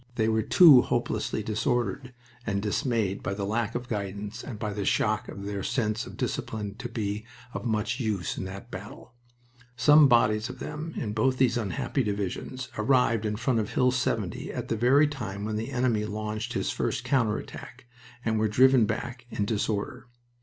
They were too hopelessly disordered and dismayed by the lack of guidance and by the shock to their sense of discipline to be of much use in that battle. Some bodies of them in both these unhappy divisions arrived in front of Hill 70 at the very time when the enemy launched his first counter attack, and were driven back in disorder...